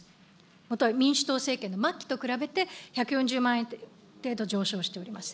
また、民主党政権の末期と比べて、１４０万円程度上昇しております。